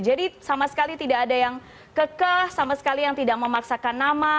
jadi sama sekali tidak ada yang kekeh sama sekali yang tidak memaksakan nama